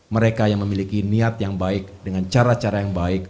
mereka yang memiliki niat yang baik dengan cara cara yang baik